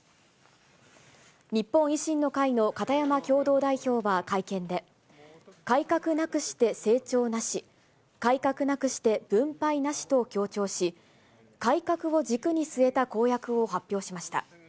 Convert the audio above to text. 日本維新の会の片山共同代表は会見で、改革なくして成長なし、改革なくして分配なしと強調し、改革を軸に据えた公約を発表しました。